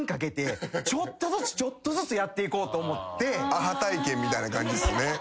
アハ体験みたいな感じっすね。